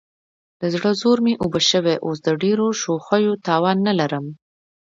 د زړه زور مې اوبه شوی، اوس دې د ډېرو شوخیو توان نه لرم.